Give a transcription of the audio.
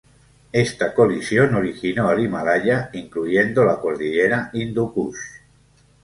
Esta colisión originó al Himalaya, incluyendo la cordillera Hindú Kush.